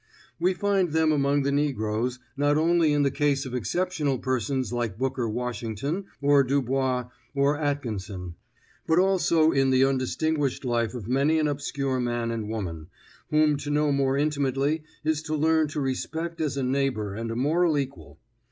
We find them among the negroes, not only in the case of exceptional persons like Booker Washington or Dubois or Atkinson, but also in the undistinguished life of many an obscure man and woman, whom to know more intimately is to learn to respect as a neighbor and a moral equal.